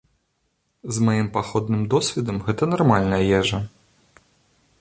З маім паходным досведам гэта нармальная ежа.